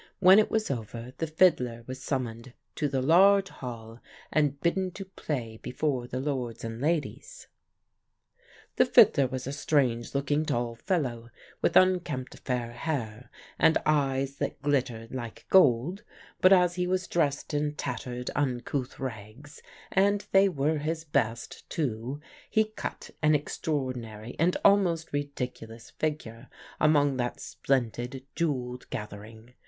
When it was over the fiddler was summoned to the large hall and bidden to play before the Lords and Ladies. "The fiddler was a strange looking, tall fellow with unkempt fair hair, and eyes that glittered like gold; but as he was dressed in tattered uncouth rags (and they were his best too) he cut an extraordinary and almost ridiculous figure amongst that splendid jewelled gathering.